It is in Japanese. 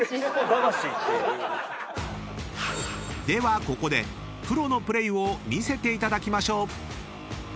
ではここでプロのプレーを見せていただきましょう］